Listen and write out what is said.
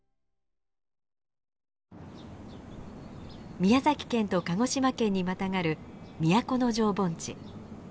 宮崎県と鹿児島県にまたがる都城盆地。